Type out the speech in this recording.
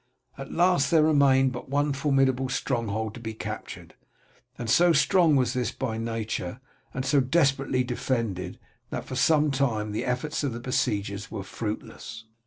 At last there remained but one formidable stronghold to be captured, and so strong was this by nature, and so desperately defended, that for some time the efforts of the besiegers were fruitless.